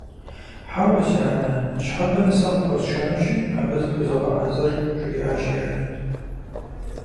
Хьэуэ, си анэ, ныщхьэбэ нысэ къыпхуэсшэнущи, абы зыхузогъэхьэзыр, - жриӀащ и анэм.